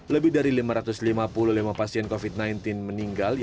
lebih dari lima ratus lima puluh lima pasien covid sembilan belas meninggal